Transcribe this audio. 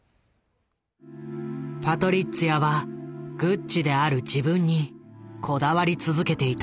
パトリッツィアはグッチである自分にこだわり続けていた。